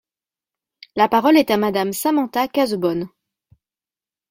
La parole est à Madame Samantha Cazebonne.